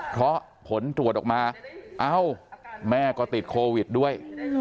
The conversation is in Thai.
เพราะผลตรวจออกมาเอ้าแม่ก็ติดโควิดด้วย